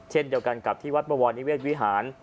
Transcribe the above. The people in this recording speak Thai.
เช่นเดียวกันกับที่วัดบวรนิเวศวิหาร